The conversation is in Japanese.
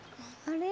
あれ？